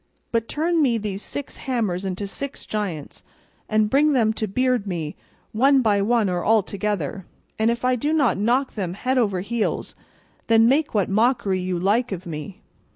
But turn me these six hammers into six giants, and bring them to beard me, one by one or all together, and if I do not knock them head over heels, then make what mockery you like of me."